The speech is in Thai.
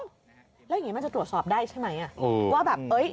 แล้วอย่างนี้มันจะตรวจสอบได้ใช่ไหม